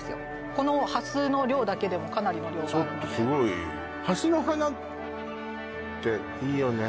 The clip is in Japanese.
このハスの量だけでもかなりの量になるのでハスの花っていいよね